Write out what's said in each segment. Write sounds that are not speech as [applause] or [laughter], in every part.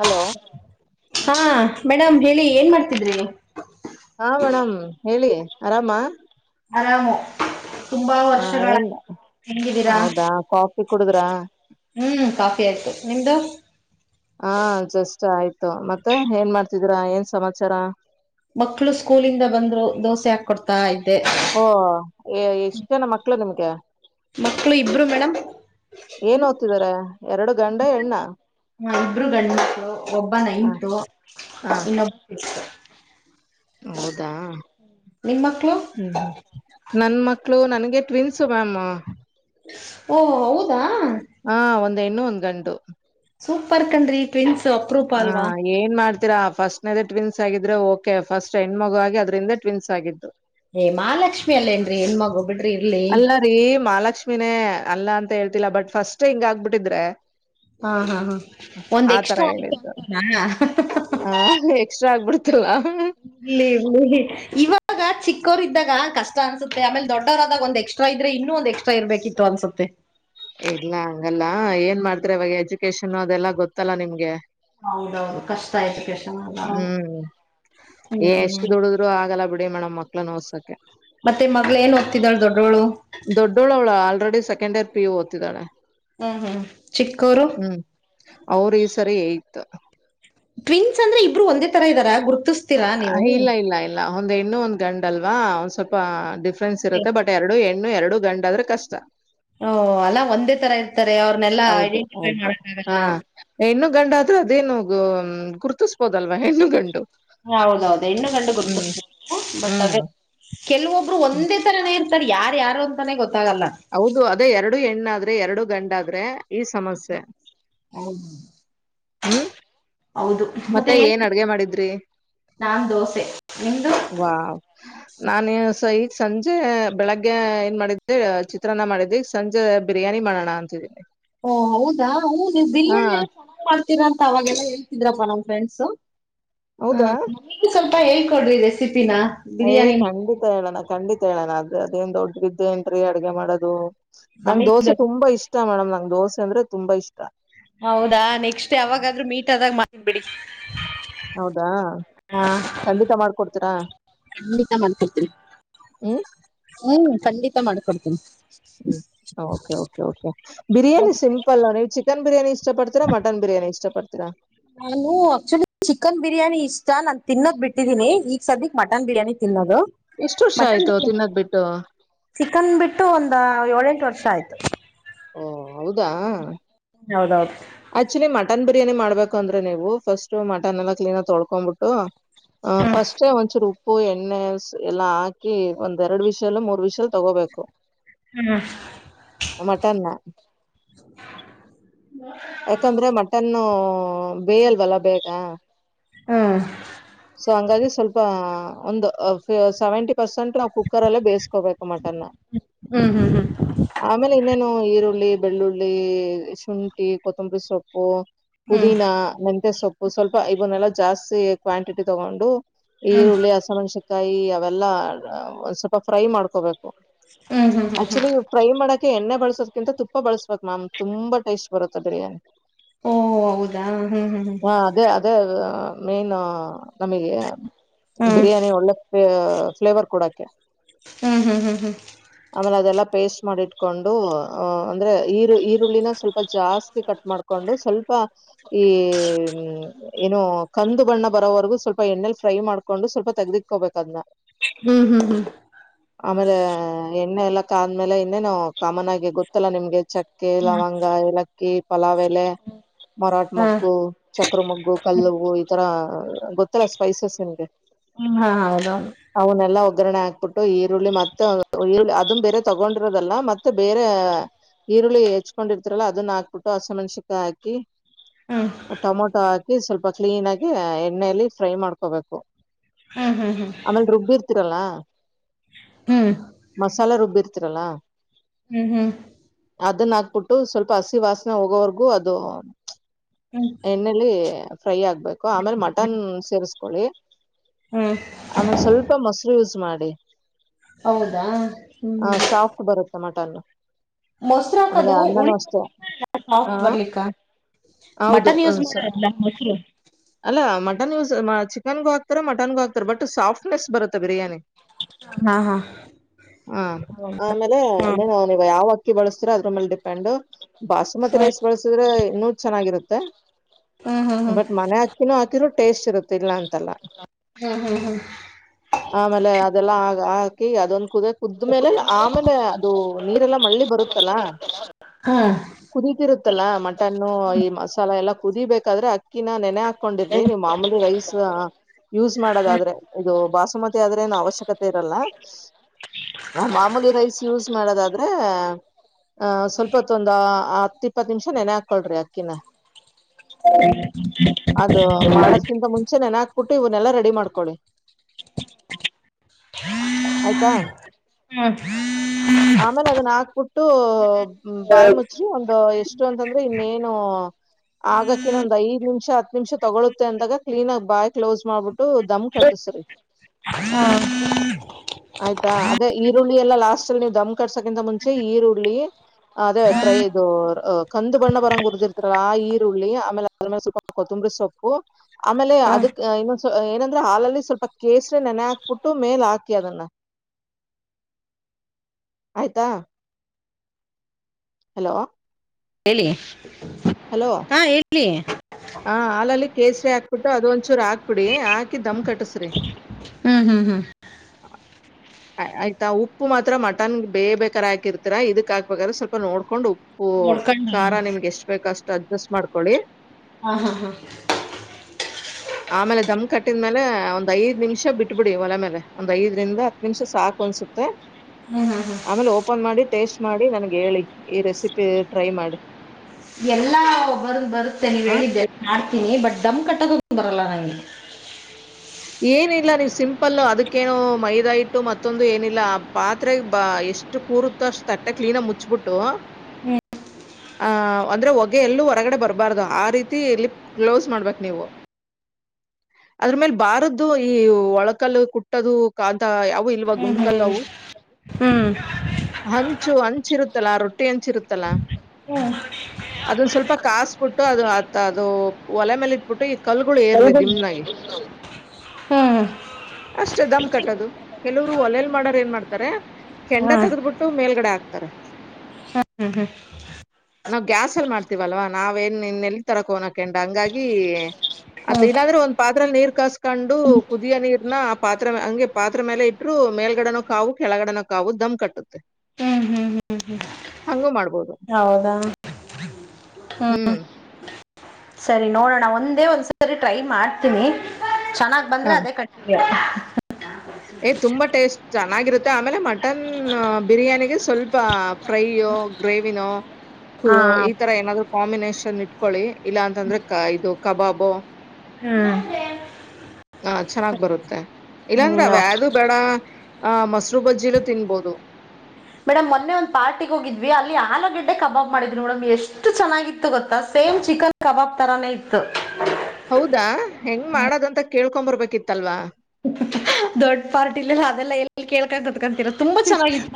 Hello ಹಾ madam ಹೇಳಿ ಏನ್ ಮಾಡ್ತಿದ್ರಿ. ಹಾ ಮೇಡಮ್ ಹೇಳಿ ಆರಾಮ. ಆರಾಮು. ತುಂಬಾ ಹ ವರ್ಷಗಳ ಏನ್ ಹೆಂಗಿದ್ದೀರಾ ಹೌದಾ ಕಾಫಿ ಕುಡುದ್ರಾ ಹ್ಮ್ ಕಾಫಿ ಆಯ್ತು ನಿಮ್ದು ಹಾ ಜಸ್ಟ್ ಆಯ್ತು ಮತ್ತೆ ಏನ್ ಮಾಡ್ತಿದೀರಾ ಏನ್ ಸಮಾಚಾರ ಮಕ್ಳು ಸ್ಕೂಲಿಂದ ಬಂದ್ರು ದೋಸೆ ಹಾಕ್ ಕೊಡ್ತಾ ಇದ್ ಓ ಎಷ್ಟ್ ಜನ ಮಕ್ಳು ನಿಮ್ಗೆ ಮಕ್ಳು ಇಬ್ರು ಮೇಡಂ. ಏನ್ ಓದ್ತಿದಾರ ಎರಡು ಗಂಡ ಹೆಣ್ಣ. ಹ ಇಬ್ರು ಗಂಡ್ ಒಬ್ಬ ಹ ನೈಂತೂ ಹ ಇನ್ನೊಬ್ ಸಿಕ್ ಹೌದಾ ನಿಮ್ ಮಕ್ಳು ಹ್ಮ್ ಹ್ಮ್ ನನ್ ಮಕ್ಳು ನನ್ಗೆ. Twins ma'am. ಓ ಹೌದಾ. ಹ ಒಂದ್ ಹೆಣ್ಣು ಒಂದ್ ಗಂಡು. ಸೂಪರ್ ಕಣ್ರಿ ಟ್ವಿನ್ಸ್ ಅಪ್ರೂಪ ಅಲ್ವಾ. ತೀರಾ ಫಸ್ಟ್ನೇದೇ ಟ್ವಿನ್ಸ್ ಆಗಿದ್ರೆ ಓಕೆ ಫಸ್ಟ್ ಹೆಣ್ಣ್ಮಗು ಆಗಿ ಅದ್ರಿಂದೆ ಟ್ವಿನ್ಸ್ ಆಗಿದ್ದು. ಏ ಮಹಾಲಕ್ಷ್ಮಿ ಅಲ್ಲೇನ್ರರಿ ಹೆಣ್ ಮಗ ಬಿಡ್ರಿ ಇರ್ಲಿ. ವೆನೆ ಅಲ್ಲಾ ಅಂತ ಹೇಳ್ತಿಲ್ಲ ಬಟ್ ಫಸ್ಟ್ ಹಿಂಗ ಆಗ್ಬಿಟ್ಟಿದ್ರೆ. ಹಾ ಹಾ ಹಾ ಒಂದ್ ಆತರ ಎಕ್ಸ್ಟ್ರಾ ಆಯ್ತು ಹೇಳಿದ್ದು ಅಂತನಾ. ಇಷ್ಟ ಆಗ್ಬಿಡ್ತಲ್. ಇ ಇವಾಗ ಚಿಕ್ಕವರ್ ಇದ್ದಾಗ ಕಷ್ಟ ಅನ್ಸುತ್ತೆ ಆಮೇಲೆ ದೊಡ್ಡವ್ರಾದಾಗ ಒಂದ್ ಎಕ್ಸ್ ಎಕ್ಸ್ಟ್ರಾ ಇದ್ರೆ ಇನ್ನೂ ಒಂದ ಎಕ್ಸ್ಟ್ರಾ ಇರ್ಬೇಕಿತ್ತು ಅನ್ಸುತ್ತೆ. ಇಲ್ಲ ಹಂಗಲ್ಲ ಏನ್ ಮಾಡ್ತರಿ ಅವವಾಗ ಎಜುಕೇಶನ್ ಅದೆಲ್ಲಾ ಗೊತ್ತಲ್ಲಾ ನಿಮ್ಗೆ. ಹೌದೌದು ಕಷ್ಟ ಆಯ್ತು. ಹ್ಮ್ ಹ್ಮ್ ಎಷ್ಟು ದುಡುದ್ರು ಆಗಲ್ಲ ಬಿಡಿ ಮೇಡಮ್ ಮಕ್ಳ ಓದ್ಸಕ್ಕೆ. ಮತ್ತೆ ಮಗ್ಳ ಏನ್ ಓದ್ತಿದಾಳ ದೊಡ್ಡೋಳು. ದೊಡ್ಡೋಳು ಅವಳು already second year P U ಓತಿದ್ದಳೆ. ಹ್ಮ್ ಹ್ಮ್ ಚಿಕ್ಕೂರು. ಅವ್ರ ಈ ಸರಿ ಇತ್ ಪ್ರಿನ್ಸ್ ಅಂದ್ರೆ ಇಬ್ಬರು ಒಂದೇ ತರ ಇದಾರ ಗುರ್ ಇಲ್ಲ ಇಲ್ಲ ಇಲ್ಲ ಒಂದ್ ಇನ್ನೂ ಒಂದ್ ಗಂಡ ಅಲ್ವಾ ಒಂದ್ ಸ್ವಲ್ಪ ಡಿಪ್ ಫೆನ್ಸ್ ಇರುತ್ತೆ ಬಟ್ ಎರಡು ಹೆಣ್ಣು ಎರಡು ಗಂಡ ಆದ್ರೆ ಕಷ್ಟ. ಹ ಓ ಅಲ್ಲಾ ಒಂದೇ ತರ ಇರ್ತಾರೆ ಅವ್ರನೆೆಲ್ಲಾ ಹೌದು ಐಡೆಂಟಿಫೈ ಹೌದು ಮಾಡಕ್ಕ ಆಗಲ್ಲ. ಹಾ ಹೆಣ್ಣು ಗಂಡ ಆದ್ರೆ ಅದೇನು ಗುತಿಸ್ಬೋದಲ್ವಾ ಹೆಣ್ಣು ಗಂಡು. ಹೌದೌದು ಹೆಣ್ಣು ಗಂಡು ಹ್ಮ್ ಗುರ್ತಸ್ ಬೋದು ಬಟ್ ಅದೇ ಹ್ಮ್ ಕೆಲವೊಬ್ರು ಒಂದೇ ತರನೇ. ಇರ್ತಾ ಯಾರ ಯಾರು ಅಂತಾನೇ ಗೊತ್ ಹೌದು ಅದೇ ಎರಡು ಹೆಣ್ಣಾದ್ರೆ ಎರಡು ಗಂಡಾದ್ರೆ. ಈ ಸಮಸ್ಯೆ ಹೌದು ಹ್ಮ್. ಮತ್ತೆ ಏನ್ ಅಡ್ಗೆ ಮಾಡಿದ್ರಿ. ನಾನ್ ದೋಸೆ ನಿಮ್ದು. ನಾನೇ ಸ ಈಗ ಸಂಜೆ ಬೆಳಗ್ಗೆ ಏನ್ ಮಾಡಿದ್ದೆ ಚಿ. ಚಿತ್ರನ ಮಾಡಿದೇ ಸಂಜೆ ಬಿರಿಯಾನಿ ಮಾಡೋಣ ಅಂತಿದೀನಿ. ಓ ಹೌದಾ ಹು ನೀವ್ ಹಾ ಬಿರಿಯಾನಿ ಎಲ್ಲ ಚೆನ್ನಾಗ್ ಮಾಡ್ತೀರಾ ಅಂತ ಅವಾಗೆಲ್ಲ ಹೇಳ್ ಇದ್ರಪ್ಪ ನಮ್ ಫ್ರಂಡ್ಸ ಹೌದಾ ನನಿಗೆ ಸ್ವಲ್ಪ ಹೇಳ್ಕೊಡ್ರಿ ರೆಸಿಪಿ [unintelligible] ಖಂಡಿತ ಹೇಳೋಣ ಖಂಡಿತ್ [unintelligible] ಅಡ್ಗೆ ಮಾಡೋದು ನಂಗ್ ನಮಗ್ ದೋಸೆ ತುಂಬಾ ಇಷ್ ಇಷ್ಟ ಮೇಡಮ್ ನಂಗ್ ದೋಸೆ ಅಂದ್ರೆ ತುಂಬಾ ಇಷ್ಟ. ಹೌದಾ ನೆಕ್ಸ್ಟ್ ಅವಾಗಾದ್ರೂ ಮೀಟ್ ಆದಾಗ ಮಾಡನ್ [unintelligible] ಬಿಡಿ. ಹೌದಾ ಖಂಡಿತ ಮಾಡ್ಕೊಡ್ತೀರಾ. ಖಂಡಿತ ಮಾಡ್ತಿರ್ತೀನಿ. [unintelligible] ಹ್ಮ್ ಹ್ಮ್ ಖಂಡಿತ ಮಾಡ್ಕೊಡ್ತೀನಿ. ಹ್ಮ okay okay okay biryani simple ನೀವು ಚಿಕನ್ ಬಿರಯಾನಿ ಇಷ್ಟಪಡ್ತೀರಾ ಮಟನ್ ಬಿರಿಯಾ [unintelligible] ನಾನು ಆಕ್ಚುಲಿ ಚಿಕನ್ ಬಿರಿಯಾನಿ ಇಷ್ಟ ನಾನ್ ತಿನ್ನೋದ್ ಬಿಟ್ಟಿದ್ದೀನಿ ಈಗ ಸದ್ಯಕ್ ಮಟನ್ ಬಿರಿಯಾನಿ ತಿನ್ನೋದು. ಎಷ್ಟು ವರ್ಷ ಮಟನ್ ಆಯ್ತು ಬಿರಿಯಾನಿ ತಿನ್ನದ್ ಬಿಟ್ಟು ಚಿಕನ್ ಬಿಟ್ಟು ಒಂದ ಏಳೆಂಟ ವರ್ ಷ ಆಯ್ತು. ಓ ಹೌದಾ ಹೌದೌದು ಆಕ್ಚುಲಿ ಮಟನ್ ಬಿರಿಯಾನಿ ಮಾಡ್ಬೇಕಂದ್ರೆ ನೀವು ಫಸ್ಟ್ ಮಟನ್ ಎಲ್ಲ ಕ್ಲೀನ್ ಆಗಿ ತೊಳ್ಕೊಂಡ್ಬಿಟ್ಟು ಹ ಹ್ಮ್ ಫಸ್ಟ್ [unintelligible] ಒಂಚ ರೂ ಉಪ್ಪು ಎಣ್ಣೆ [unintelligible] ಎಲ್ಲಾ ಹಾಕಿ ಒಂದ್ ಎರಡು ವಿಷಲು ಮೂರ್ ವಿಷಲ್ ತಗೋಬೇಕು. ಹ್ಮ ಮಟನ್ ನಾ. ಯಾಕಂದ್ರೆ ಮಟನು ಬೇಯಲ್ವಲ್ಲ ಬೇಗ ಹ್ಮ್ ಸೊ ಹಂಗಾಗಿ ಸ್ವಲ್ಪ ಒಂದು [unintelligible] ಸೆವೆಂಟಿ ಪರ್ಸೆಂಟ್ ನಾವು ಕುಕ್ಕರ್ ಅಲ್ಲೇ ಬೇಸ್ ಕೋಬೇಕು ಮಟನ್ ನಾ ಹ್ಮ್ ಹ್ಮ್ ಹ್ಮ್ ಆಮೇಲೆ ಇನ್ನೇನು ಈರುಳ್ಳಿ ಬೆಳ್ಳುಳ್ಳಿ ಶುಂಠಿ ಕೊತ್ತಂಬರಿ ಸೊಪ್ಪು ಹ್ಮ್ ಪುದೀನಾ ಮಂತೆ ಸೊಪ್ಪು ಸ್ವಲ್ಪ ಇವನ್ನೆಲ್ಲಾ ಜಾಸ್ತಿ ಕ್ವಾಂಟಿಟಿ ತಗೊಂಡು ಹ್ಮ್ ಈರುಳ್ಳಿ ಹಸಮೆಣ್ಸನ್ಕಾಯಿ ಅವೆಲ್ಲಾ ಒಂದ್ [unintelligible] ಸ್ವಲ್ಪ ಫ್ರೈ ಮಾಡ್ಕೋಬೇಕ. [unintelligible] ಹ್ಮ್ ಹ್ಮ್ ಹ್ಮ್ ಹ್ಮ್ ಆಕ್ಚುಲಿ ಫ್ರೈಮ ಮಾಡಕ ಎಣ್ಣೆ ಬಳಸ್ ದಕಿಂತ [unintelligible] ತುಪ್ಪ ಬಳಸ್ಬೇಕು ಮ್ಯಾಮ್ ತುಂಬಾ ಟೇಸ್ಟ್ ಬರುತ್ತೆ ಬಿರಿಯಾನಿ. ಓ ಹೌದಾ ಹ್ಮ್ ಹ್ಮ್ ಹಾ ಅದೇ ಅದೇ [unintelligible] ಮೇನ್ [unintelligible] ನಮಗೆ. ಹ್ಮ್ ಬಿರಿಯಾನಿ ಒಳ್ಳೆ ಫ್ಲೇ ಫ್ಲೇವರ್ ಕೊಡಕ್ಕೆ. ಹು ಹು ಆಮೇಲೆ ಅದೆಲ್ಲ [unintelligible] ಪೇಸ್ಟ್ ಮಾಡಿಟ್ಕೊಂಡು ಅ ಅಂದ್ರೆ ಈರು ಈರುಳ್ಳಿನ ಸ್ವಲ್ಪ ಜಾಸ್ ತಿ ಕಟ್ ಮಾಡ್ಕೊಂಡು ಸ್ವಲ್ಪ ಈ [unintelligible] ಏನು ಕಂದು ಬಣ್ಣ ಬರೋವರೆಗು ಸ್ವ ಸ್ವಲ್ಪ ಎಣ್ಣೆಲಿ [unintelligible] ಫೈ ಮಾಡ್ಕೊಂಡು ಸ್ವಲ್ಪ ತಗ್ದಿಕೋಬೇಕು ಅದನ್ನ. ಹ್ಮ್ ಹ್ಮ್ ಹ್ಮ್ ಆಮೇಲೆ ಎಣ್ಣೆ ಎಲ್ಲ ಕಾದ್ ಆದ್ಮೇಲೆ ಇನ್ನೇನು ಕಾಮನ್ ಆಗಿ ಗೊತ್ತಲ್ಲಾ ನಿಮ್ಗೆ ಚಕ್ ಕ್ಕೆ ಲವಂಗ ಏಲಕ್ಕಿ ಪಲಾವೆಲೆ ಮರಾಟ್ ಹಾ ಮಗ್ಗು ಚಕ್ರಮಗ್ಗು ಕಲ್ಲವು ಈತರ ಗೊತ್ತಲ್ಲ ಸ್ಪೈಸಸ್ ನಿಮಗೆ. ಹ್ಮ್ ಹಾ ಹೌದೌದು. ಒಗರಣೆ ಹಾಕ್ಬಿಟ್ಟು ಈರುಳ್ಳಿ ಮತ್ತೆ [unintelligible] ಈರುಳ್ಳಿ ಅದು ಬೇರೆ ತಗೊಂಡಿರೋದಲ್ಲ ಮತ್ತೆ ಬೇರೆ ಈರುಳ್ಳಿ ಹೆಚ್ಕೊಂಡಿರ್ತಾರಲ್ಲ ಅದನ್ನ ಹಾಕ್ಬಿಟ್ಟು ಹಸಿಮೆಣ್ಸಿಕ್ ಹಾಕಿ ಹ್ಮ್ ಟೊಮೊಟೊ ಹಾಕಿ ಸ್ವಲ್ಪ ಕ್ಲೀನ್ ಆಗಿ ಎಣ್ಣೆಯಲ್ಲಿ ಫ್ರೈ ಮಾಡ್ಕೋಬೇಕು. ಹ್ಮ್ ಹ್ಮ್ ಹ್ಮ್ ಹ್ಮ್ ಆಮೇಲ್ ರುಬ್ಬಿ ಇರ್ತೀರಲ್ಲ ಹ್ಮ್ ಮಸಾಲ ರುಬ್ಬಿರ್ತರಲ್ಲಾ ಹ್ಮ ಹ [unintelligible] ಅದನ್ನ ಹಾಕ್ಬಿಟ್ಟು ಸ್ವಲ್ಪ ಹಸಿ ವಾಸನೆ ಹೋಗೋವರ್ಗೂ ಅದು ಹ್ಮ್ ಎಣ್ಣೆಯಲ್ಲಿ ಫ್ರೈ ಆಗ್ಬೇಕು ಆಮೇಲೆ ಮಟನ್ ಸೇರಿಸಕೊಳ್ಳಿ ಹ್ಮ್ ಆಮೇಲ ಸ್ವಲ್ಪ ಮೊಸರು ಯೂಸ್ ಮಾಡಿ ಹೌದಾ ಹ್ಮ್ ಹ್ಮ್ ಟೋಮೋಟ ಅಲ್ಲು ಮೊಸರು ಆಮೇಲೆ ಹಾಕದು ಅನ್ನನ ಉಳಿ ಅಷ್ಟೇ ಹಾ ಸಾಫ್ಟ್ ಬರ್ಲಿಕ್ಕ ಹೌದು ಮಟನ್ ಹ ಯೂಸ್ ಮಾಡಲ್ಲ ಮೊಸರು ಅಲ್ಲ ಮಟನ್ ಯೂಸ್ ಚಿಕನ್ಗ ಹಾಕ್ತಾರ ಮಟನ್ಗೂ ಹಾಕ್ತಾರ ಬಟ್ ಸಾಫ್ಟ್ ಸ್ ಬರುತ್ತೆ ಬಿರಿಯಾನಿ ಹಾ ಹಾ ಹ್ಮ ಆಮೇಲೆ ಹ್ಮ್ ಇನ್ನೇ ನಾವ ಯಾವತ್ತ ಅಕ್ಕಿ ಬಳಸ್ತೀರಾ ಅದ್ರ ಮೇಲೆ ಡಿಪೆಂಡ್ ಬಾಸುಮತಿ [unintelligible] ರೈಸ್ ಹ್ಮ್ ಬಳಸಿದ್ರೆ ಇನ್ನು ಚೆನ್ನಾಗಿರುತ್ತೆ. ಹ್ಮ್ ಹ್ಮ್ ಹ್ಮ್ ಇ ಟೇಸ್ಟ್ ಇರುತ್ತ ಇಲ್ಲ ಅಂತ ಹ್ಮ್ ಹ್ಮ್ ಆಮೇಲೆ ಅದೆಲ್ಲಾ ಹಾಕಿ ಅದೊಂದು ಕುದ ಕುದ್ಮೇಲೆಲ್ಲ ಆಮೇಲೆ ಅದು ನೀರೆಲ್ಲಾ ಮಳ್ಳಿ ಬರುತ್ತಲ್ಲ ಕುದೀತಿರುತ್ತಲ್ಲ ಮಟನ್ನು ಈ ಮಸಾಲ ಎಲ್ಲಾ ಕುದಿಬೇಕಾದ್ರೆ ಅಕ್ಕಿನ ನೆ ಕೊಂಡಿದ್ರಿ ನೀವು ಮಾಮೂಲಿ ರೈಸ್ ಯೂಸ್ ಮಾಡೋದಾದ್ರೆ ಇದು ಬಾಸುಮತಿ ಆದ್ರೇನು ಅವಶ್ಯಕತೆ ಇರಲ್ಲಾ ಹ ಮಾಮೂಲಿ ರೈಸ್ ಯೂಸ್ ಮಾಡೋದಾದ್ರೆ ಆ ಸ್ವಲ್ಪತ್ ಒಂದ ಹತ್ತ ಇಪ್ಪತ್ತು ನಿಮಿಷ ನೆನೆ ಹಾಕೊಳ್ರಿ ಅಕ್ಕಿನ [unintelligible] ಅದು ಮಾಡದ್ಕಿಂತ ಮುಂಚೆ ನೆನೆ ಹಾಕ್ಬಿಟ್ಟು ಇವ್ನ್ನೆಲ್ಲಾ ರೆಡಿ ಮಾಡ್ಕೊಳ್ಳಿ [unintelligible] ಆಯ್ತಾ ಹ್ಮ್ ಹ್ಮ್ ಹ್ಮ್ ಆಮೇಲೆ ಅದನ್ನ ಹಾಕ್ಬಟ್ಟ ಬಾಯಿ ಮುಚ್ಚ್ರಿ ಒಂದು ಎಷ್ಟು ಅಂತಂದ್ರೆ ಇನ್ನೇನು ಆಗಕ್ಕ ಇನ್ನೊಂದ್ ಐದ ನಿಮಿಷ ಹತ್ತು ನಿಮಿಷ ತಗೊಳ್ಳಳುತ್ತೆ ಅಂದಾಗ ತಿ ನ ಬಾಯ್ ಕ್ಲೋಸ್ ಮಾಡ್ಬಿಟ್ಟು ದಮ್ ಕಟ್ಟಸ್ರಿ ಹ್ಮ [inaudible] ಆಯ್ತಾ ಅದೇ ಈರುಳ್ಳಿ ಎಲ್ಲ ಲಾಸ್ಟ್ ಲ್ಲಿ ನೀವ್ ದಮ್ ಕಟ್ಸಕಿಂತ ಮುಂಚೆ ಈರುಳ್ಳಿ, ಅದೇ ಡ್ರೈ ಇದು ಕಂದು ಬಣ್ಣ ಬರಂಗ ಉರ್ದಿರ್ತರಲ್ಲ ಆ ಈರುಳ್ಳಿ ಆಮೇಲೆ ಅದ್ರ ಮೇಲೆ ಸ್ವಲ್ಪ ಕೊತುಂಬ್ರ ಸೊಪ್ಪು ಆಮೇಲೆ ಹ್ಮ್ ಅದಕ್ ಇನ್ನೊ ಏನಂದ್ರೆ ಹಾಲಲ್ಲಿ ಸ್ವಲ್ಪ ಕೇಸ್ರ ನೆನೆ ಹಾಕ್ಬಿಟ್ಟು ಮೇಲ್ ಹಾಕಿ ಅದನ್ನ ಆಯ್ತಾ ಹಲೋ ಹೇಳಿ ಹಲೋ ಹಾ ಹೇಳಿ ಹ ಹಾಲಲ್ಲಿ ಕೇಸರಿ ಹಾಕ್ಬಿಟ್ಟು ಅದ ಒಂದ್ಚೂರು ಹಾಕ್ಬಿಡಿ ಹಾಕಿ ದಮ್ ಕಟ್ಟಸ್ರಿ ಹ್ಮ್ ಹ್ಮ್ ಹ್ಮ್ ಆಯ್ತಾ ಉಪ್ಪು ಮಾತ್ರ ಮಟನ್ ಬೇ ಬೇಕಾರ್ ಹಾಕಿರ್ತೀರಾ ಇದಕ್ ಹಾಕ್ಬೇಕಾದ್ರೆ ಸ್ವಲ್ಪ ನೋಡ್ಕೊಂಡು ಉ ಓ ನೋಡ್ಕೊಂಡು ಖಾರ ನಿಮ್ಗೆ ಎಷ್ಟ್ ಬೇಕಷ್ಟು ಅಡ್ಜಸ್ಟ್ ಮಾಡ್ಕೊಳ್ಳಿ ಹಾ ಹಾ ಹಾ ಹಟ್ಟಿದ ಮೇಲೆ ಒಂದ್ ಐದ ನಿಮಿಷ ಬಿಟ್ಬಿಡಿ ಒಲೆ ಮೇಲೆ ಒಂದ್ ಐದರಿಂದ ಹತ್ತು ನಿಮಿಷ ಸಾಕು ಅನ್ಸುತ್ತೆ ಹ್ಮ್, ಹ್ಮ್, ಹ್ಮ್. ಆಮೇಲೆ ಓಪನ್ ಮಾಡಿ ಟೇಸ್ಟ್ ಮಾಡಿ ನನ್ಗೆ ಹೇಳಿ ಈ ರೆಸಿಪಿ ಟ್ರೈ ಮಾಡಿ ಎಲ್ಲಾ ಬರ್ಂದ್ ಬರುತ್ತೆ ನೀವ್ ಹ ಹೇಳಿದ್ದೆ ಎ ಮಾಡ್ತೀನಿ ಬಟ್ ದಡಮ್ ಕಟ್ಟೋದ ಬರಲಾ ನಗೆ ಏನಿಲ್ಲ ನೀವು ಸಿಂಪಲ್ ಪ್ಪಲ್ಲ ಅದಕ್ಕೇನು ಮೈದಾ ಇಟ್ಟು ಮತ್ತೊಂದು ಏನಿಲ್ಲ ಆ ಪಾತ್ರೆ ಎಷ್ಟು ಕೂರುತ್ತೋ ಅಷ್ಟು ತಟ್ಟಕ್ಕೆ ಕ್ಲೀನ ಮುಚ್ಬಿಟ್ಟು ಹ್ಮ್ ಆ ಅಂದ್ರೆ ಹೊಗೆ ಎಲ್ಲೂ ಹೊರಗಡೆ ಬರ್ಬಾರ್ದು ಆ ರೀತಿ ಇಲ್ಲಿ ಕ್ಲೌಸ್ ಮಾಡ್ಬೇಕ್ ನೀವು ಹಾ ಅದ್ರ ಮೇಲ್ ಬಾರದ್ದು ಈ ಒಳಕಲ್ ಕುಟ್ಟದು ಕಾಂತ ಯಾವ ಇಲವಾ ಹ್ಮ್ ಹ್ಮ್ ಗುಂಡಕಲ್ಲವು ಹಂಚು ಹಂಚಿರುತ್ತೆ ಲಾ ರೊಟ್ಟಿ ಹೆಂಚಿರುತ್ತಲಾ ಹ್ಮ್ ಅದೊಂದ ಸ್ವಲ್ಪ ಕಾಸಬಿಟ್ಟು ಅದು ಆತ್ತ ಅದು ಒಲೆ ಮೇಲೆ ಇಟ್ಬಿಟ್ಟು ಇ ಕಲ್ಗಳು ಏರ್ರಿ ತಗೊಳ್ಳಿ. ನಿಮ್ನಾಗೆ ಹ್ಮ್ ಹ್ಮ್ ಅಷ್ಟೇ ದಮ್ ಕಟ್ಟದು ಕೆಲವರು ಒಲೆಲ್ ಮಾಡರ್ ಏನ್ ಮಾಡ್ತಾರೆ ಹ್ಮ್ ಕೆಂಡ ತೆಗ್ದ್ ಬಿಟ್ಟು ಮೇಲ್ಗಡೆ ಹಾಕ್ತಾರೆ ಹ್ಮ್ ಹ್ಮ್ ಹ್ಮ್ ನಾವ್ ಗ್ಯಾಸ ಅಲ್ಲಿ ಮಾಡ್ತೀವಲ್ವಾ ನಾವೇನ್ ಇನ್ನೆಲ್ ತರೋಕೆ ಹೋಗಣ ಕೆಂಡ ಹಂಗಾಗಿ ಹ್ಮ್ ಅತ್ತ ಹ್ಮ್ ಇಲ್ಲಾದ್ರೆ ಒಂದ ಪಾತ್ರ ನೀರ್ ಕಸ್ಕೊಂಡು ಕುದಿಯ ನೀರ್ನ ಪಾತ್ರ ಹಂಗೆ ಪಾತ್ರ ಮೇಲೆ ಇಟ್ಟರು ಮೇಲ್ಗಡನ ಕಾವು ಕೆಳಗಡೆನ ಕಾವು ವು ದಮ್ ಕಟ್ಟುತ್ತೆ ಹ್ಮ ಹ್ಮ ಹ ಹಂಗೂ ಮಾಡ್ಬ ಹೌದಾ ಹ್ಮ್ ಸರಿ ನೋಡೋಣ ಒಂದೇ ಒಂದ್ಸರಿ ಟ್ರೈ ಮಾಡ್ತೀನಿ ಚೆನ್ನಾಗ್ ಹ. ಬಂದ್ರೆ ಅದೇ ಕಟ್ಟ ಏ ತುಂಬಾ ಟೇಸ್ಟ್ ಚೆನ್ನಾಗಿರುತ್ತೆ ಆಮೇಲೆ ಮಟನ್ ಬಿರಿಯಾನಿಗೆ ಸ್ವಲ್ಪ ಫ್ರೈಯೋ ಗ್ರೇವಿನೋ ಹಾ ಕುರು ಈ ತರ ಏನಾದ್ರು ಕಾಂಬಿನೇಷನ್ ನ್ ಇಟ್ಕೊಳ್ಳಿ ಇಲ್ಲಾ ಅಂತಂದ್ರೆ ಇದು ಕಬಾಬು ಹ್ಮ್ ಹ ಚೆನ್ನಾಗ್ ಬರುತ್ತೆ ಇಲ್ಲಾಂದ್ರ ಹ್ಮ್ ಅವ್ಯಾದು ಬೇಡ ಹ ಮಸರು ಬಜ್ಜಿಲ ತಿನ್ಬೋದು ಮೇಡಮ್ ಮೊನ್ನೆ ಒಂದ್ ಪಾರ್ಟಿಗೆಗೆ ಹೋಗಿದ್ವಿ ಅಲ್ಲಿ ಆಲೂಗಡ್ಡೆ ಕಬಾಬ್ ಮಾಡಿದ್ರು ಮೇಡಮ್ ಎಷ್ಟು ಚೆನ್ನಾಗಿತ್ತು ಗೊತ್ತಾ ಏನ್ ಚಿಕನ್ ಕಬಾಬ್ ತರಾನೇ ಇತ್ತು ಹೌದಾ ಹೆಂಗ್ ಮಾಡದಂತ ಕೇಳ್ಕೊ ಬರ್ಬೇಕಿತ್ತಲ್ವಾ ದೊಡ್ಡ ಪಾರ್ಟಿಲಿ ಅದೆಲ್ಲ ಎಲ್ಲಿ ಕೇಳ್ಕಾಯತ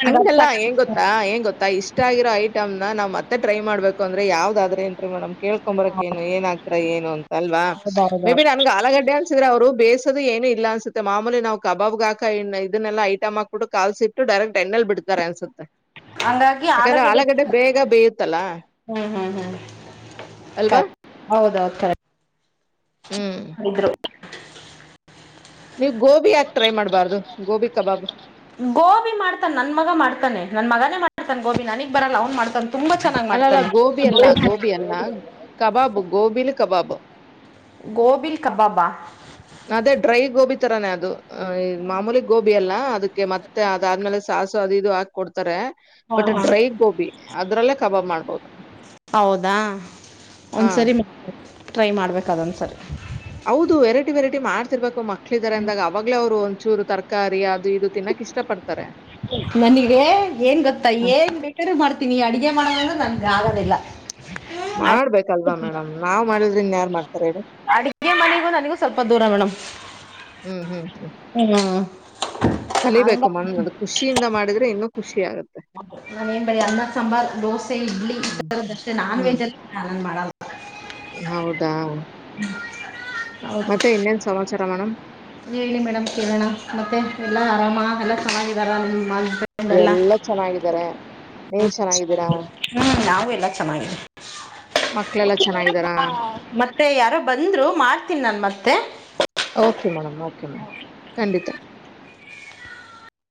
ಹಂಗಲ್ಲಾ ಹೆಂಗ ಗೊತ್ತಾ ಹೆಂಗ ಗೊತ್ತಾ ಇಷ್ಟ ಆಗಿರೋ ಐಟಮ್ ನಾವ್ ಮತ್ತೆ ಟ್ರೈ ಮಾಡ್ಬೇಕುಂದ್ರ ಯಾವ್ದಾದ್ರೆ ಏನ್ರಿ ಮೇಡ್ ಕೇಳ್ಕೊಂಬ ಬರಕ್ ಏ ಏನ್ಗ್ತಾ ಏನು ಅಂತ ಅಲ್ವಾ ಮೇಬಿ ಆಯ್ತು. ನನ್ಗೆ ಆಲಗಡ್ಡೆ ಅನ್ಸಿದ್ರೆ ಅವ್ರು ಬೇ ಏನು ಇಲ್ಲ ಅನ್ಸುತ್ತೆ ಮಾಮೂಲಿ ನವು ಕಬಬ್ ಹಾಕ ಇ ಇದನ್ನಲ್ಲ ಐಟಮ್ ಹಾಕ್ಬಿಟ್ಟು ಕಾಸಿ ಡೈರೆಕ್ಟ್ ಎಣ್ಣಲ್ ಬಿಡ್ತಾರೆ ಅನ್ಸುತ್ತೆ ಹಂಗಾಗಿ ಯಾಕಂದ್ರೆ ಆಲಗಡೆ ಆಲೂಗಡ್ಡೆ ಬೇಗ ಬೇಯುತ್ತಲ್ಲ ಹ್ಮ್ ಹ್ಮ್ ಹ್ಮ್ ಅಲ್ವಾ ಹೌದೌತರ್ರು ಹ್ಮ್ ನೀವು ಗೋಬಿ ಯಾಕೆ ಟ್ರೈ ಮಾಡ್ಬಾರ್ದು ಗೋಬಿ ಕಬಾಬ್ ಗೋಬಿ ಮಾಡ್ತಾನ ನನ್ ಮಗ ಮಾಡ್ತಾನೆ ನನ್ ಮಗನೇ ಮಾಡ್ತಾನನ್ ಗೋಬಿ ನನಗ್ ಬರಲ್ಲ ಅವ್ನ್ ಮಾಡ್ತಾನ ಅಲಲ್ಲ ಗೋಬಿ ಅಲ್ಲ ಗೋಬಿ ಅಲ್ಲ ಕಬಾಬು ಗೋಬಿಲಿ ಕಬಾಬು ಗೋಬಿಲ್ ಕಬಾಬಾ ಅದೇ ಡ್ರೈ ಗೋಬಿ ತರಾನೇ ಅದು ಮಾಮೂಲಿ ಗೋಬಿ ಅಲ್ಲಾ ಅದಕ್ಕೆ ಮತ್ತೆ ಅದಾದ್ಮೇಲೆ ಸಾಸು ಅದ ಇದು ಹಾಕ್ ಕೊಡ್ತಾರೆ ಬಟ್ ಡ್ರೈ ಗೋಬಿ ಅದ್ರಲ್ಲೇ ಕಬಾಬ್ ಮಾಡ್ಬೋದು ಹೌದಾ ಹಾ ಒಂದ್ಸರಿ ಟ್ರೈ ಮಾಡ್ಬೇಕ ಅದೊಂದ್ಸರಿ ಹೌದು ವೆರೈಟಿ ವೆರೈಟಿ ಮಾಡ್ತಿರ್ಬೇಕು ಮಕ್ಳ ಇದಾರೆ ಅಂದಾಗ ಅವಾಗ್ಲ ಅವರು ಚೂರು ತರಕಾರಿ ಅದು ಇದು ತಿನ್ನಕ್ ಇಷ್ಟ ಪಡ್ತಾರೆ ನನಗೆ ಏನ್ ಗೊತ್ತಾ ಹ, ಏನ್ ಬೇಟರು ಮಾಡ್ತೀನಿ ಅಡಗೆ ಮಾಡೋ ನನ್ ಯಗೊಂಡಿಲ್ಲ ಮಾಡ್ಬೇಕಲ್ವಾ ಮೇಡಮ್ ನಾವ್ ಮಾಡಿದ್ರಿ ಇನ್ಯಾರ್ ಮಾಡ್ತಾರೆ ಹೇಳಿ ಅಡಿಗೆ ಮನೆಗೂ ನನಗೂ ಸ್ವಲ್ಪ ಹ್ಮ್ ಹ್ಮ್ ಹ್ಮ ಕಲಿಬೇಕು ಮಂದ ಖುಷಿಯಿಂದ ಮಾಡಿದ್ರೆ ಇನ್ನು ಹೌದು ನಾವೇನ್ ಬರಿ ಅನ್ನ ಸಾಂಬಾರ್ ದೋಸೆ ಇಡ್ಲಿ ಹ್ಮ್ ಈಥರದ್ದಷ್ಟೇ ನಾನ್ ವೆಜ್ ಅಲ್ಲನ್ ಮಾಡಲ್ ಹ ಹೌದು ಮತ್ತೆ ಇನ್ನೇನ್ ಸಮಾಚಾರ ಮೇಡಮ್ ಹೇಳಿ ಮೇಡಮ್ ಕೇಳೋಣ ಮತ್ತೆ ಎಲ್ಲಾ ಆರಾಮ ಎಲ್ಲ ಚೆನ್ನಾಗಾರ ನಿಮ ಎಲ್ಲಾ ಚೆನ್ನಾಗಿದಿದ್ದಾರೆ ನೀವ ಚೆನ್ನಾಗಿದ್ದೀರಾ ಹ್ಮ್ ನಾವು ಎಲ್ಲ ಚೆನ್ನಾಗಿದೆ ಮಕ್ಳೆಲ್ಲ ಚೆನ್ನಾಗಿದ್ದಾರಾ ಮತ್ತೆ ಯಾರು ಬಂದ್ರು ಮಾಡ್ತೀನಿ ನನ್ ಮತ್ತೆ ಓಕೆ ಮೇಡಮ್ ಓಕೆ ಮೇಡಮ ಕಂಡಿತ